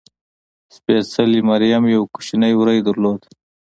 سپېڅلې مریم یو کوچنی وری درلود.